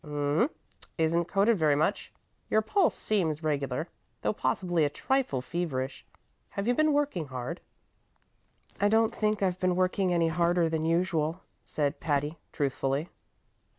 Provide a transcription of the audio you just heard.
Um m isn't coated very much. Your pulse seems regular, though possibly a trifle feverish. Have you been working hard?" "I don't think I've been working any harder than usual," said Patty, truthfully.